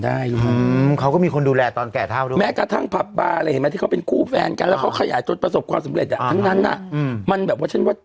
นักฮิตที่อยู่ในตลาดหลักทรัพย์หลายคนอ่ะ